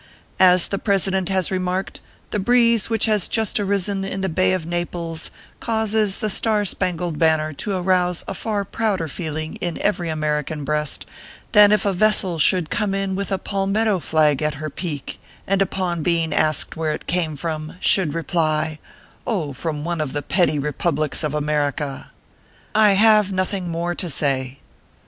As the President has re marked, the breeze which has just arisen in the bay of Naples, causes the Star Spangled Banner to arouse a far prouder feeling in every American breast, than if a vessel should come in with a palmetto flag at her ORPHEUS C. KERR PAPERS. 41 peak, and upon being asked where it came from, should reply : Oh, from one of the petty republics of America/ I have nothing more to say."